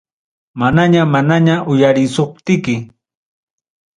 Manaña manaña uyarisuptiki.